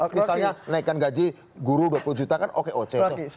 misalnya naikkan gaji guru dua puluh juta kan oke oce